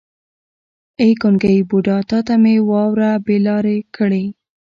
ای ګونګی بوډا تا مې وراره بې لارې کړی.